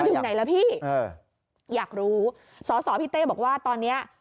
เออได้อยู่ไหนละพี่เอออยากรู้สพี่เต้บอกว่าตอนเนี้ย